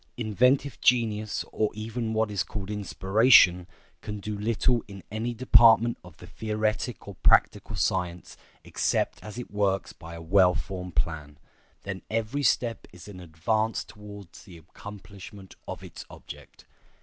Inventive genius, or even what is called inspiration, can do little in any department of the theoretic or practical science except as it works by a well formed plan; then every step is an advance towards the accomplishment of its object.